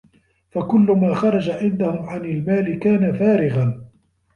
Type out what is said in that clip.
فَكُلُّ مَا خَرَجَ عِنْدَهُمْ عَنْ الْمَالِ كَانَ فَارِغًا